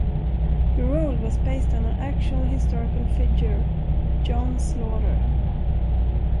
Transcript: The role was based on actual historical figure John Slaughter.